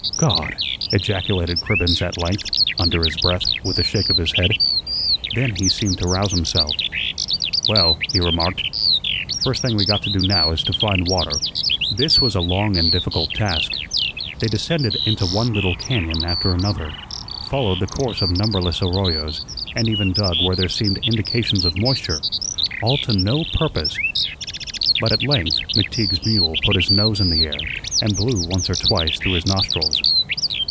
"God!" ejaculated Cribbens at length, under his breath, with a shake of his head. Then he seemed to rouse himself. "Well," he remarked, "first thing we got to do now is to find water." This was a long and difficult task. They descended into one little cañón after another, followed the course of numberless arroyos, and even dug where there seemed indications of moisture, all to no purpose. But at length McTeague's mule put his nose in the air and blew once or twice through his nostrils.